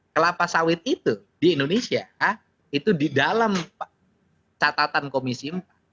kelapa sawit itu di indonesia itu di dalam catatan komisi empat